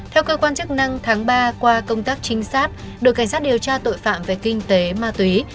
theo cơ quan chức năng tháng ba qua công tác trinh sát đội cảnh sát điều tra tội phạm về kinh tế ma túy